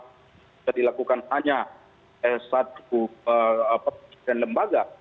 tidak dilakukan hanya satu perusahaan lembaga